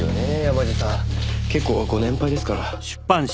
山路さん結構ご年配ですから。